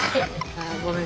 ああごめん。